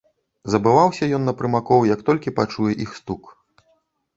Забываўся ён на прымакоў, як толькі пачуе іх стук.